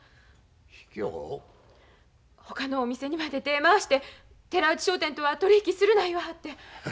ひきょう？ほかのお店にまで手ぇ回して寺内商店とは取り引きするな言わはって。